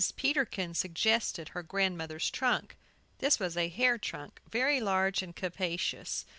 Peterkin suggested her grandmother's trunk. This was a hair trunk, very large and capacious.